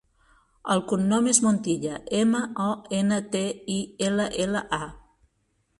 El cognom és Montilla: ema, o, ena, te, i, ela, ela, a.